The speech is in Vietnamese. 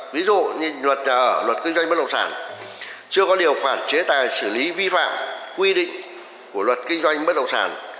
ví dụ như luật kinh doanh bất động sản chưa có điều khoản chế tài xử lý vi phạm quy định của luật kinh doanh bất động sản